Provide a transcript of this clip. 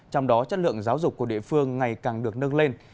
trong đó chất lượng giáo dục của địa phương ngày càng được nâng lên